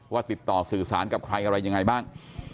ติดต่อสื่อสารกับใครอะไรยังไงบ้าง